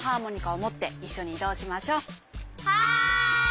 はい！